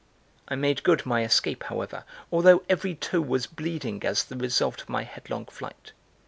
I made good my escape, however, although every toe was bleeding as the result of my headlong flight.